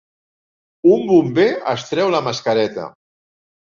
Un bomber es treu la mascareta.